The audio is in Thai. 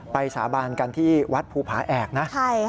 สาบานกันที่วัดภูผาแอกนะ